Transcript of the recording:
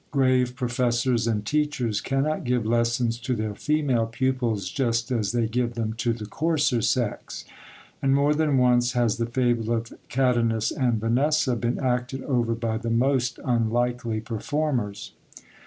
Grave professors and teachers cannot give lessons to their female pupils just as they give them to the coarser sex; and more than once has the fable of 'Cadenus and Vanessa' been acted over by the most unlikely performers.